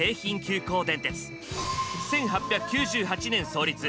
１８９８年創立。